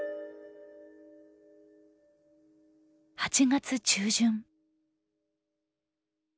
８月中旬。